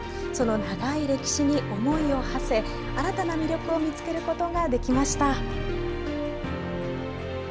その長い歴史に思いをはせ、新たな魅力を見つけることができました。